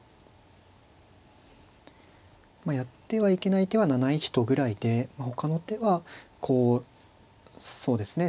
まあやってはいけない手は７一とぐらいでほかの手はこうそうですね